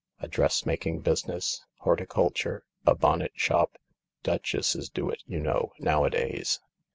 A dressmaking business ? Horticulture ? A bonnet shop ? Duchesses do it, you know* nowadays.